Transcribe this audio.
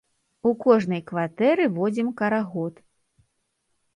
У кожнай кватэры водзім карагод.